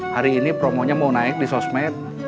hari ini promonya mau naik di sosmed